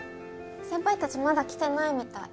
先輩たちまだ来てないみたい。